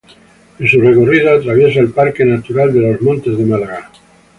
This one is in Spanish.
En su recorrido atraviesa el Parque Natural de los Montes de Málaga.